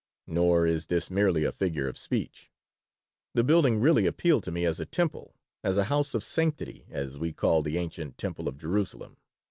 Nor is this merely a figure of speech: the building really appealed to me as a temple, as a House of Sanctity, as we call the ancient Temple of Jerusalem.